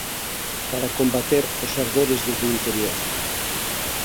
Para combater os ardores desde o interior.